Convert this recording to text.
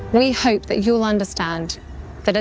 kami berharap anda akan memahami